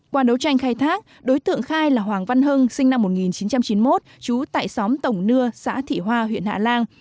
qua đấu tranh khai thác đối tượng khai là hoàng văn hưng sinh năm một nghìn chín trăm chín mươi một trú tại xóm tổng nưa xã thị hoa huyện hạ lan